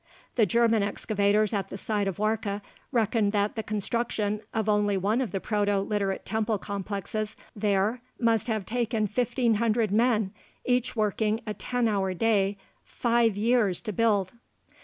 The German excavators at the site of Warka reckoned that the construction of only one of the Proto Literate temple complexes there must have taken 1,500 men, each working a ten hour day, five years to build.